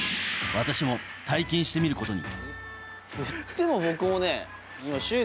私も体験してみることに。